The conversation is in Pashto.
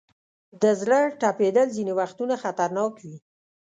د زړه ټپېدل ځینې وختونه خطرناک وي.